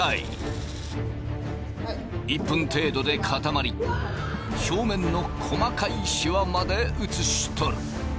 １分程度で固まり表面の細かいシワまで写し取る。